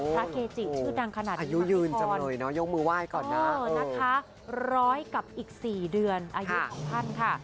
พระเกจิชื่อดังขนาดนี้คือพรนะคะร้อยกับอีก๔เดือนอายุของท่านค่ะ